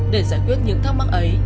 để giải quyết những thắc mắc ấy